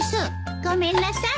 ごめんなさい。